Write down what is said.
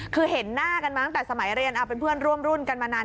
คือเห็นหน้ากันมาตั้งแต่สมัยเรียนเอาเป็นเพื่อนร่วมรุ่นกันมานาน